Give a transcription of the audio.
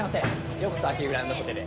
ようこそ秋保グランドホテルへ。